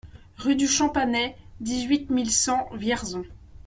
Rue du Champanet, dix-huit mille cent Vierzon